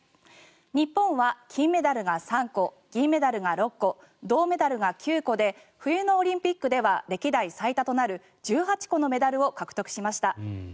日本は金メダルが３個銀メダルが６個銅メダルが９個で冬のオリンピックでは歴代最多となる１８個のメダルを獲得しました。